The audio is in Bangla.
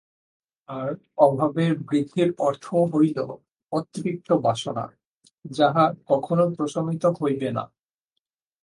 আর অভাবের বৃদ্ধির অর্থ হইল অতৃপ্ত বাসনা, যাহা কখনও প্রশমিত হইবে না।